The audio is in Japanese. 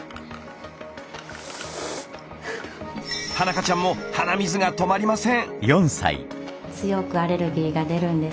花香ちゃんも鼻水が止まりません。